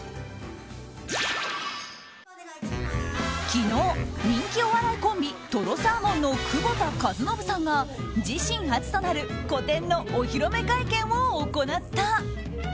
昨日、人気お笑いコンビとろサーモンの久保田和靖さんが自身初となる個展のお披露目会見を行った。